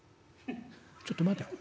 「ちょっと待て。